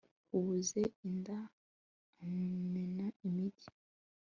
ubuze inda amena imigi